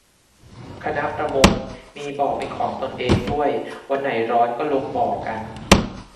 คณะประมง มีบ่อเป็นของตนเองด้วย วันไหนร้อนก็ลงบ่อกัน